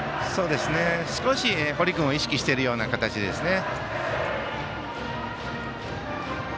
少し、堀君を意識してるような形ですね。